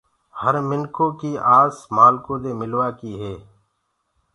هر منکو ڪي آس مآلکو دي ملوآ ڪي هي۔